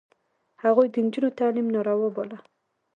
هغوی د نجونو تعلیم ناروا باله.